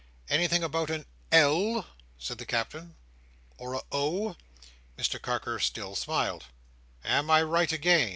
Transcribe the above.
"Anything about a L," said the Captain, "or a O?" Mr Carker still smiled. "Am I right, again?"